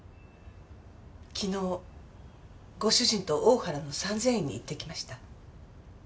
昨日ご主人と大原の三千院に行ってきました。